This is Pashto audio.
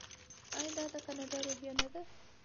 آیا دا د کاناډا روحیه نه ده؟